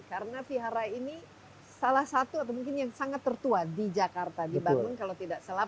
karena vihara ini salah satu atau mungkin yang sangat tertua di jakarta di bangun kalau tidak salah